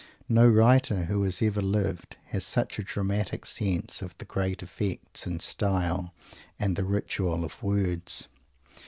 No writer who has ever lived has such a dramatic sense of the "great effects" in style, and the ritual of words.